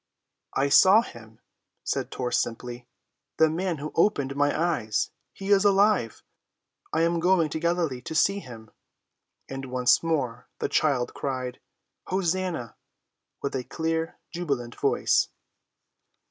"I saw him," said Tor simply,—"the man who opened my eyes. He is alive. I am going to Galilee to see him." And once more the child cried, "Hosanna!" with a clear, jubilant voice.